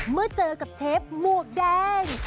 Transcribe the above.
เมื่อเจอกับเชฟหมวกแดง